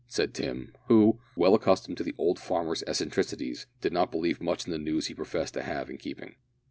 said Tim, who, well accustomed to the old farmer's eccentricities, did not believe much in the news he professed to have in keeping.